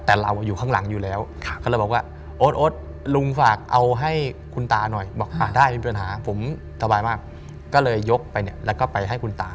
ทบายมากก็เลยยกไปเนี่ยแล้วก็ไปให้คุณตา